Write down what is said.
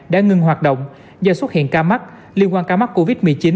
đã ngừng hoạt động do xuất hiện ca mắc liên quan ca mắc covid một mươi chín